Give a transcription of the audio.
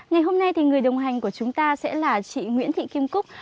ngày hôm nay thì người đồng hành của chúng ta sẽ là chị nguyễn thị kim cúc